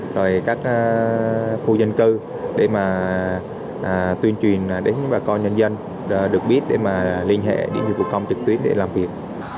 rồi các khu dân cư để mà tuyên truyền đến bà con nhân dân được biết để mà liên hệ đến dịch vụ công trực tuyến để làm việc